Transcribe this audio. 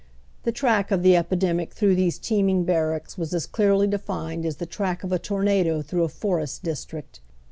The track of the epidemic through these teeming barracks was as clearly defined as the track of a tornado through a forest district.